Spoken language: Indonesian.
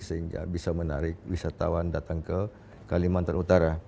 sehingga bisa menarik wisatawan datang ke kalimantan utara